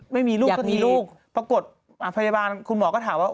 ไม่มีลูกก็มีลูกปรากฏพยาบาลคุณหมอก็ถามว่า